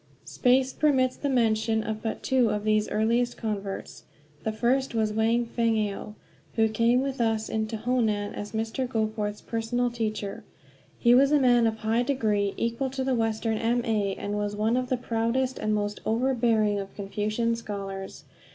Space permits the mention of but two of these earliest converts. The first was Wang Feng ao, who came with us into Honan as Mr. Goforth's personal teacher. He was a man of high degree, equal to the Western M. A., and was one of the proudest and most overbearing of Confucian scholars.